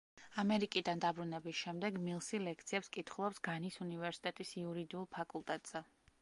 ამერიკიდან დაბრუნების შემდეგ მილსი ლექციებს კითხულობს განის უნივერსიტეტის იურიდიულ ფაკულტეტზე.